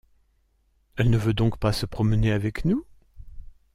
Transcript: Elle ne veut donc pas se promener avec nous ?